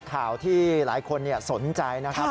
ข่าวที่หลายคนสนใจนะครับ